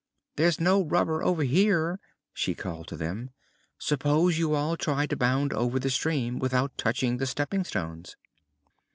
"There is no rubber over here," she called to them. "Suppose you all try to bound over the stream, without touching the stepping stones."